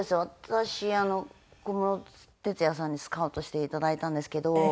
私小室哲哉さんにスカウトしていただいたんですけど。